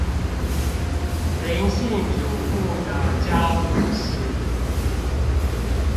林姓主婦的家務事